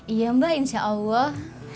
iya mbak insya allah